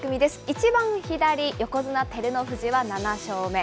一番左、横綱・照ノ富士は７勝目。